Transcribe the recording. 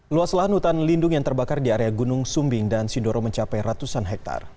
luas lahan hutan lindung yang terbakar di area gunung sumbing dan sindoro mencapai ratusan hektare